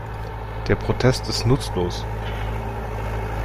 Der Protest ist nutzlos.